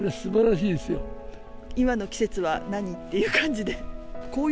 今の季節は何？っていう感じで、紅葉、